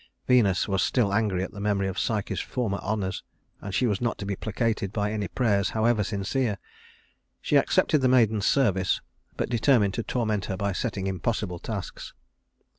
Venus was still angry at the memory of Psyche's former honors, and she was not to be placated by any prayers, however sincere. She accepted the maiden's service, but determined to torment her by setting impossible tasks.